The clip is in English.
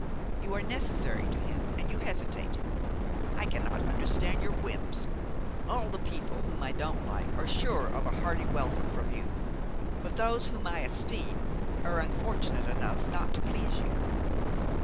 You are necessary to him and you hesitate! I cannot understand your whims. All the people whom I don't like are sure of a hearty welcome from you; but those whom I esteem are unfortunate enough not to please you."